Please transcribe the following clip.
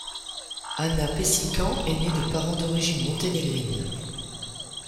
Ana Pešikan est née de parents d'origine monténégrine.